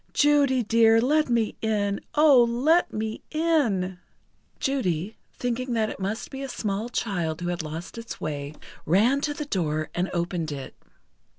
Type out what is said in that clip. Judy dear, let me in! Oh let me in!" Judy, thinking that it must be a small child who had lost its way, ran to the door, and opened it.